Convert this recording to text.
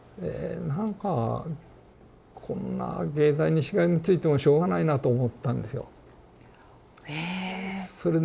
なんかこんな藝大にしがみついてもしょうがないなと思ったんでしょう。